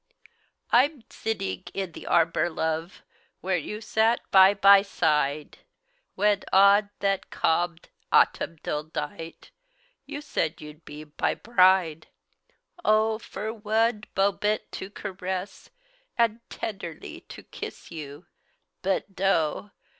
I'b sittig id the arbor, love, Where you sat by by side, Whed od that calb, autubdal dight You said you'd be by bride. Oh! for wud bobedt to caress Add tederly to kiss you; Budt do!